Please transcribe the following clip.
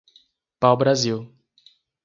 Pau Brasil